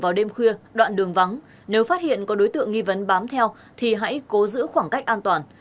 vào đêm khuya đoạn đường vắng nếu phát hiện có đối tượng nghi vấn bám theo thì hãy cố giữ khoảng cách an toàn